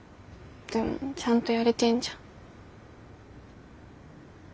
でもちゃんとやれてんじゃん。